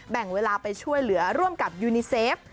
แบ่งเวลาไปช่วยเหลือร่วมกับยูนิเซฟ